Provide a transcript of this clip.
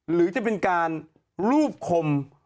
หรือจะเป็นการรูปคม